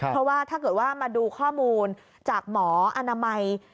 เพราะว่าถ้าเกิดว่ามาดูข้อมูลจากหมออนามัย